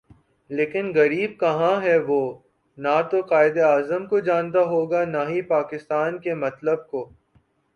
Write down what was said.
لیکن غریب کہاں ہے وہ نہ توقائد اعظم کو جانتا ہوگا نا ہی پاکستان کے مطلب کو